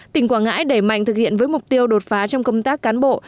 tỉnh quảng ngãi đẩy mạnh thực hiện với mục tiêu đột phá trong công tác cán bộ